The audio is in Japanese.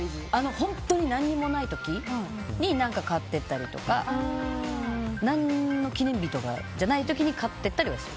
本当に何もない時に何か買っていったりとか何の記念日じゃない時に買って行ったりはする。